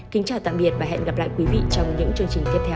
kính chào tạm biệt và hẹn gặp lại quý vị trong những chương trình tiếp theo